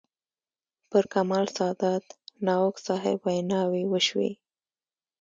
پر کمال سادات، ناوک صاحب ویناوې وشوې.